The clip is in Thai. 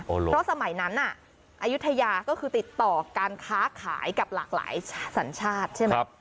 เพราะสมัยนั้นอายุทยาก็คือติดต่อการค้าขายกับหลากหลายสัญชาติใช่ไหม